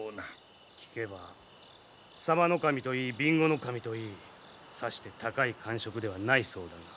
聞けば左馬頭といい備後守といいさして高い官職ではないそうだが。